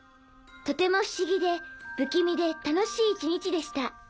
とても不思議で不気味で楽しい一日でした。